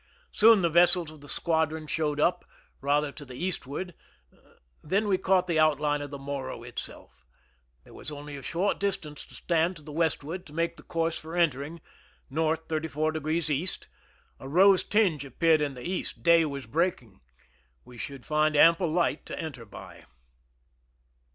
Soon the vessels of the squadron showed up, rather to the eastward ; then we caught the outline of the Morro itself. There was only a short distance to stand to the westward to make the course for entering, north, 34^ E. A rose tinge appeared in the east; day was breaking. We should find ample light to enter by.